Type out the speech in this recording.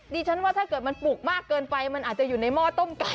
ดิฉันว่าถ้าเกิดมันปลูกมากเกินไปมันอาจจะอยู่ในหม้อต้มไก่